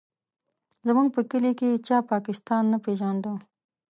زموږ په کلي کې چا پاکستان نه پېژانده.